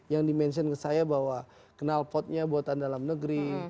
yang dimention ke saya bahwa kenal potnya buatan dalam negeri